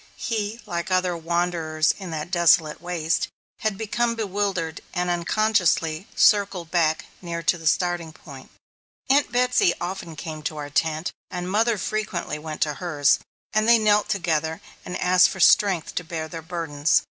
He, like other wanderers on that desolate waste, had become bewildered, and, unconsciously, circled back near to the starting point. Aunt Betsy came often to our tent, and mother frequently went to hers, and they knelt together and asked for strength to bear their burdens.